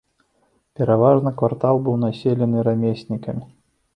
Пераважна квартал быў населены рамеснікамі.